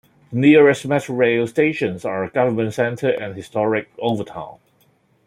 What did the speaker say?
The nearest Metrorail stations are Government Center and Historic Overtown.